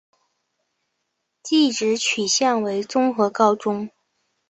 技职取向为综合高中。